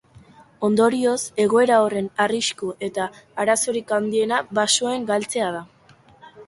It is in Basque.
Ondorioz, egoera horren arrisku eta arazorik handiena basoen galtzea da.